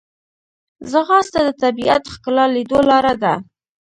ځغاسته د طبیعت ښکلا لیدو لاره ده